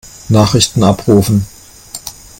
Nachrichten abrufen.